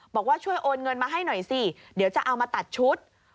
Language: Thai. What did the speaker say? บอกว่าช่วยโอนเงินมาให้หน่อยสิเดี๋ยวจะเอามาตัดชุด